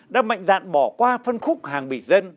đã mạnh đạn bỏ qua phân khúc hàng bị dân